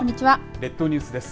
列島ニュースです。